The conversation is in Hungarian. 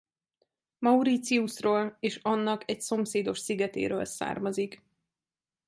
Mauritiusról és annak egy szomszédos szigetéről származik.